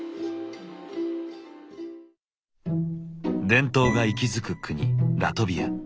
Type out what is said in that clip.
伝統が息づく国ラトビア。